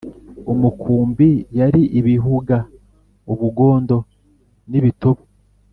umukumbi yari ibihuga ‘ubugondo n ‘ibitobo